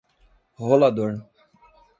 Rolador